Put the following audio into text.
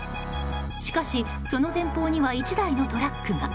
しかし、その前方には１台のトラックが。